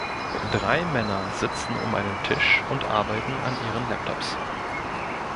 Drei Männer sitzen um einen Tisch und arbeiten an ihren Laptops.